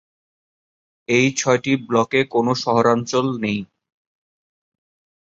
এই ছয়টি ব্লকে কোনো শহরাঞ্চল নেই।